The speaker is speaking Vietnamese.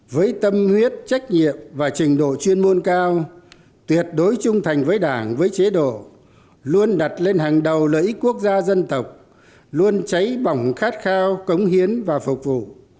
với tâm huyết trách nhiệm và trình độ chuyên môn cao tuyệt đối trung thành với đảng với chế độ luôn đặt lên hàng đầu lợi ích quốc gia dân tộc luôn cháy bỏng khát khao cống hiến và phục vụ